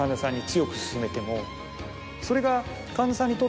それが。